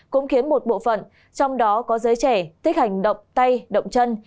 cũng khiến một bộ phận trong đó có giới trẻ tích hành động tay động chân